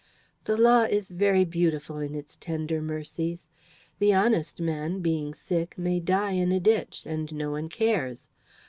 The law is very beautiful in its tender mercies. The honest man, being sick, may die in a ditch, and no one cares.